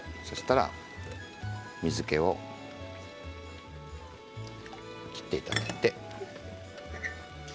そうしたら水けを切っていただいて。